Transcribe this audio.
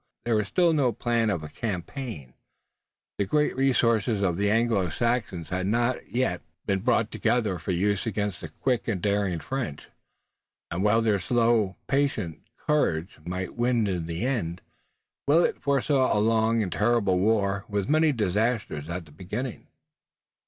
There was still no plan of campaign, the great resources of the Anglo Saxons had not yet been brought together for use against the quick and daring French, and while their slow, patient courage might win in the end, Willet foresaw a long and terrible war with many disasters at the beginning.